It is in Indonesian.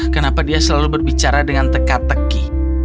kenapa dia selalu berbicara dengan teka teki